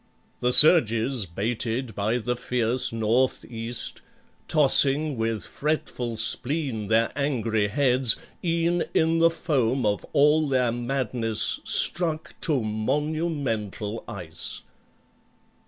The surges baited by the fierce North east, Tossing with fretful spleen their angry heads, E'en in the foam of all their madness struck To monumental ice.